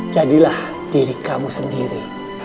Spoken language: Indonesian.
jadilah diri kamu sendiri